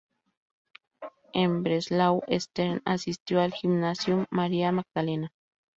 En Breslau Stern asistió al Gymnasium María-Magdalena.